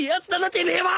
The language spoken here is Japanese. てめえは！